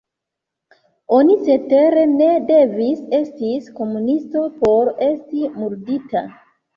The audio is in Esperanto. Oni cetere ne devis estis komunisto por esti murdita.